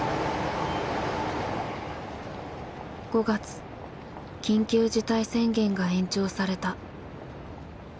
５月緊急事態宣言が延長された。